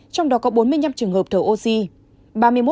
trong đó có bốn mươi năm trường hợp thở oxy